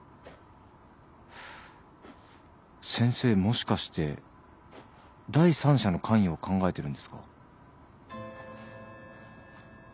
先生もしかして第三者の関与を考えてるんですか？